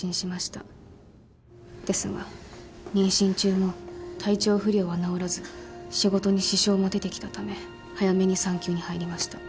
ですが妊娠中も体調不良は治らず仕事に支障も出てきたため早めに産休に入りました。